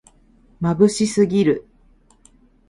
まぶしすぎる